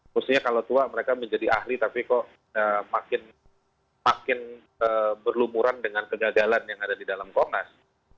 maksudnya kalau tua mereka menjadi ahli tapi kok makin berlumuran dengan kegagalan yang ada di dalam komnas